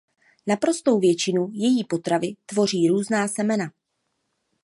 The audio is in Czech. Naprostou většinu její potravy tvoří různá semena.